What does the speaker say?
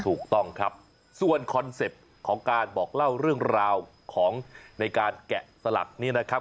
ถูกต้องครับส่วนคอนเซ็ปต์ของการบอกเล่าเรื่องราวของในการแกะสลักนี้นะครับ